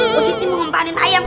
positi mau mempanen ayam